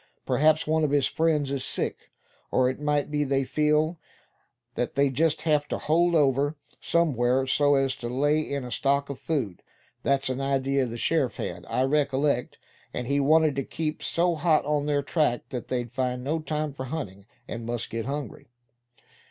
Perhaps one of his friends is sick; or it might be they feel that they just have to hold over somewhere, so as to lay in a stock of food. That's an idea the sheriff had, I recollect; and he wanted to keep so hot on their track that they'd find no time for hunting, and must get hungry."